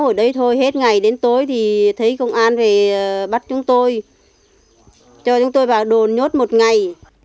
hồi đấy thôi hết ngày đến tối thì thấy công an bắt chúng tôi cho chúng tôi vào đồn nhốt một ngày